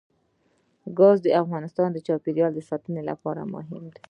ګاز د افغانستان د چاپیریال ساتنې لپاره مهم دي.